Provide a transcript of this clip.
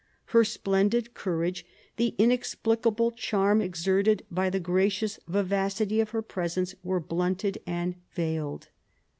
Her splendid courage, the inexplicable charm exerted by the gracious vivacity of her presence, were blunted and veiled.